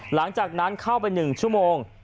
หลังจากนั้นเข้าไป๑ชั่วโมง